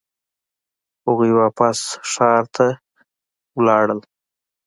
هغوی واپس ښار ته لاړ شول.